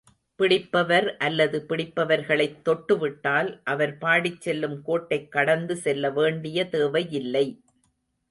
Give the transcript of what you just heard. பிடிப்பவர் அல்லது பிடிப்பவர்களைத் தொட்டுவிட்டால், அவர் பாடிச் செல்லும் கோட்டைக் கடந்து செல்ல வேண்டிய தேவையில்லை.